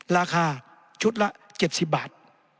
ราคาชุดละ๗๐บาท